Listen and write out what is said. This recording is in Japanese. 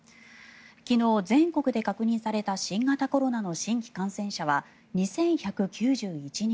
昨日、全国で確認された新型コロナの新規感染者は２１９１人。